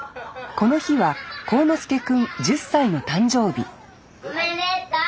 この日は航之介くん１０歳の誕生日・おめでとう！